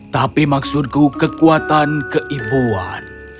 tapi maksudku kekuatan keibuan